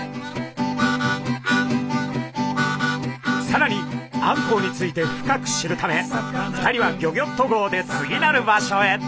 さらにあんこうについて深く知るため２人はギョギョッと号で次なる場所へ。